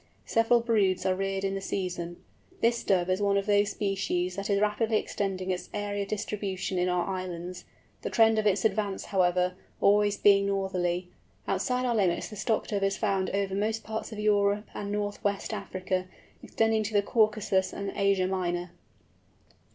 Several broods are reared in the season. This Dove is one of those species that is rapidly extending its area of distribution in our islands; the trend of its advance, however, being always northerly. Outside our limits the Stock Dove is found over most parts of Europe and North West Africa, eastwards to the Caucasus and Asia Minor.